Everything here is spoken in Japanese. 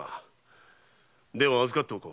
では預かっておこう。